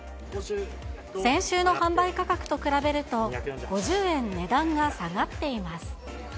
先週の販売価格と比べると、５０円値段が下がっています。